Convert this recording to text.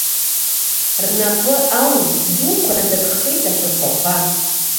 Рнапы ау дуқәа надырххеит ашәахәақәа.